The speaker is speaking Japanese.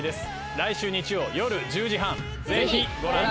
来週日曜夜１０時半。